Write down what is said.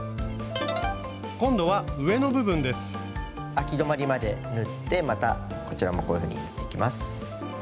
あき止まりまで縫ってまたこちらもこういうふうに縫っていきます。